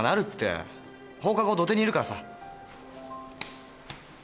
放課後土手にいるからさ。